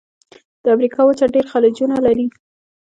د امریکا وچه ډېر خلیجونه لري.